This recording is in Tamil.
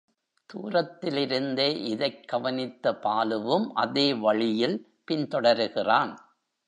தூரத்திலிருந்தே இதைக் கவனித்த பாலுவும் அதே வழியில் பின் தொடருகிறான்.